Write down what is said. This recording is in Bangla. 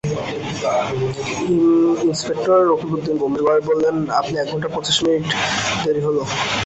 ইন্সপেক্টর রকিবউদ্দিন গম্ভীর গলায় বললেন, আপনি এক ঘন্টা পঁচিশ মিনিট দেরি হল।